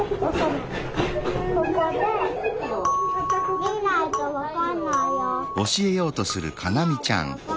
見ないとわかんないよ。